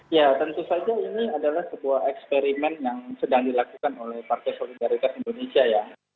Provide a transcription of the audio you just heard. ya tentu saja ini adalah sebuah eksperimen yang sedang dilakukan oleh partai solidaritas indonesia ya